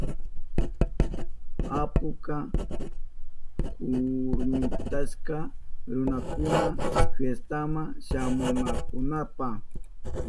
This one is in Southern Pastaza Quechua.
Apuka kurmitashka runakuna fiestama shamunankunapa.